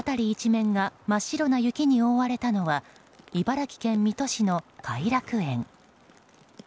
一面が真っ白な雪に覆われたのは茨城県水戸市の偕楽園。